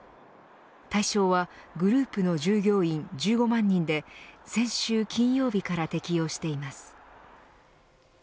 対象はグループの従業員１５万人で先週金曜日から適用しています。